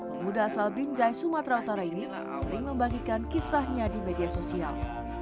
pemuda asal binjai sumatera utara ini sering membagikan kisahnya di media sosial